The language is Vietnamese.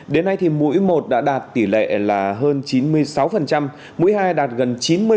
đến nay thì mũi một đã đạt tỷ lệ là hơn chín mươi sáu mũi hai đạt gần chín mươi